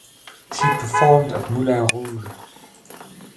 She performed at Moulin Rouge.